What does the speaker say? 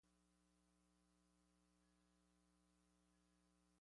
sancionado